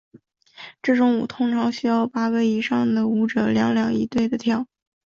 这种舞通常需要八个人以上的舞者两两一对地跳。